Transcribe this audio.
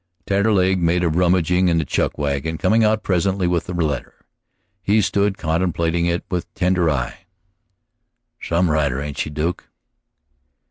Taterleg made a rummaging in the chuck wagon, coming out presently with the letter. He stood contemplating it with tender eye. "Some writer, ain't she, Duke?"